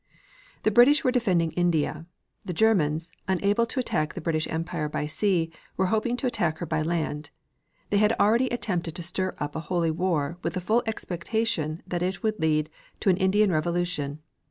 The British were defending India. The Germans, unable to attack the British Empire by sea, were hoping to attack her by land. They had already attempted to stir up a Holy War with the full expectation that it would lead to an Indian revolution.